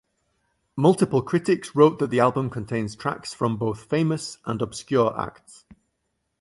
Multiple critics wrote that the album contains tracks from both famous and obscure acts.